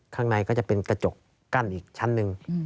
ข้างในก็จะเป็นกระจกกั้นอีกชั้นหนึ่ง